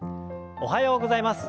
おはようございます。